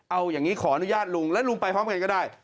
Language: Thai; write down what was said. เอาอย่างนี้ขออนุญาตลุงและลุงไปพร้อมกันก็ได้